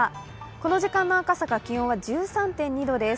この時間の赤坂、気温は１３．２度です。